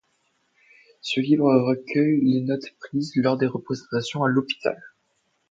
Ce livre recueille les notes prises lors des représentations à l'hôpital.